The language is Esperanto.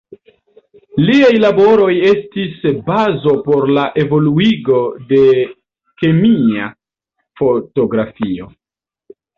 Liaj laboroj estis bazo por la evoluigo de kemia fotografio.